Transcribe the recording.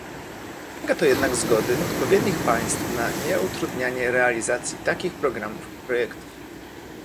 Wymaga to jednak zgody odpowiednich państw na nieutrudnianie realizacji takich programów i projektów